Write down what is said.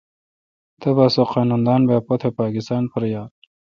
تبا سو قانون دان با پوتھ پاکستان پر یال۔